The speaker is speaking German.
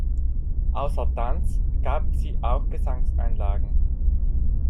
Außer Tanz- gab sie auch Gesangseinlagen.